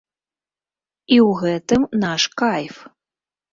І ў гэтым наш кайф.